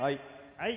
はい。